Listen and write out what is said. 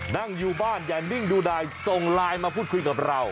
นั่งอยู่บ้านอย่านิ่งดูดายส่งไลน์มาพูดคุยกับเรา